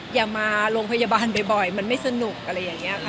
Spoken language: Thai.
อย่ามาโรงพยาบาลบ่อยมันไม่สนุกอะไรอย่างนี้ค่ะ